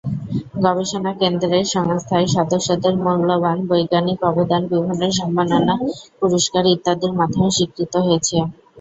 গবেষণা কেন্দ্রের সংস্থায় সদস্যদের মূল্যবান বৈজ্ঞানিক অবদান বিভিন্ন সম্মাননা, পুরস্কার ইত্যাদির মাধ্যমে স্বীকৃত হয়েছে।